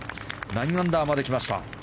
９アンダーまで来ました。